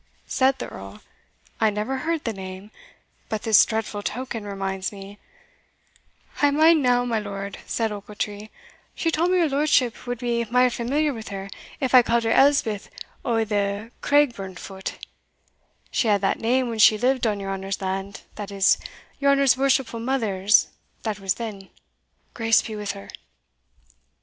said the Earl; "I never heard the name but this dreadful token reminds me" "I mind now, my lord," said Ochiltree, "she tauld me your lordship would be mair familiar wi' her, if I ca'd her Elspeth o' the Craigburnfoot she had that name when she lived on your honour's land, that is, your honour's worshipful mother's that was then Grace be wi' her!"